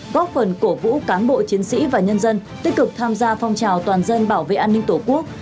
góp phần cổ vũ cán bộ chiến sĩ và nhân dân tích cực tham gia phong trào toàn dân bảo vệ an ninh tổ quốc